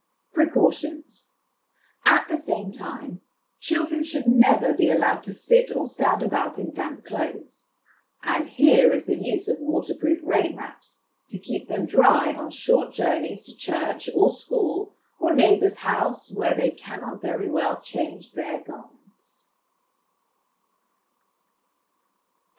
Precautions. At the same time, children should never be allowed to sit or stand about in damp clothes ; and here is the use of waterproof rain wraps to keep them dry on short journeys to church, or school, or neighbour's house, where they cannot very well change their garments.